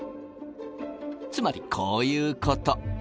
つまりこういうこと。